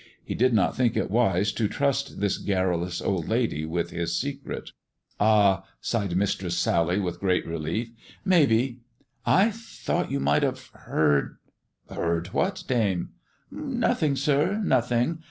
He did not think it wise to trust this garrulous old lady with his secret. " Ah !" sighed Mistress Sally, with great relief. " Maybe. I thought you might have heard "" Heard What, dame 1 "" Nothing, sir. Nothing.